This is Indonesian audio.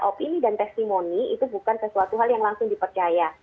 opini dan testimoni itu bukan sesuatu hal yang langsung dipercaya